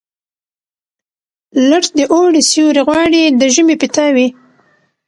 لټ د اوړي سیوري غواړي، د ژمي پیتاوي.